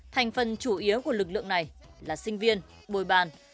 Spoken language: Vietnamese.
thành phần chủ yếu của lực lượng này là sinh viên bồi bàn